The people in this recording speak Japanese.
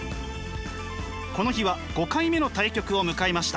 この日は５回目の対局を迎えました。